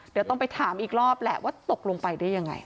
เดี๋ยวต้องไปถามอีกรอบแหละว่าตกลงไปได้ยังไง